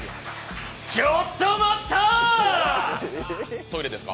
ちょっと待った！